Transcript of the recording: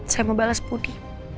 saya mau balas pudi